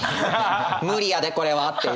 無理やでこれはっていう。